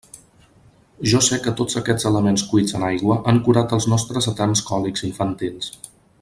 Jo sé que tots aquests elements cuits en aigua han curat els nostres eterns còlics infantils.